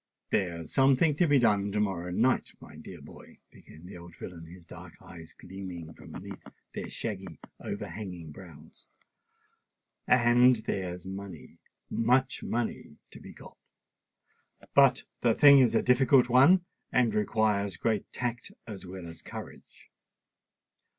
"There's something to be done to morrow night, my dear boy," began the old villain, his dark eyes gleaming from beneath their shaggy, overhanging brows; "and there's money—much money—to be got. But the thing is a difficult one, and requires great tact as well as courage."